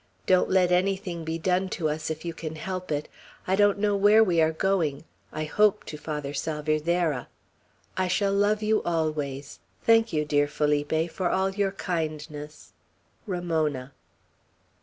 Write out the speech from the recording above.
Don't let anything be done to us, if you can help it. I don't know where we are going. I hope, to Father Salvierderra. I shall love you always. Thank you, dear Felipe, for all your kindness. "RAMONA."